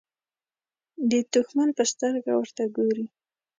د دښمن په سترګه ورته ګوري.